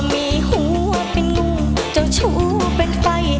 มีหัวเป็นงูเจ้าชู้เป็นไฟ